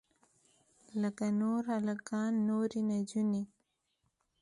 لکه نور هلکان نورې نجونې.